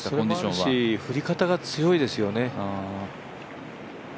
それもあるし降り方が強いですよね。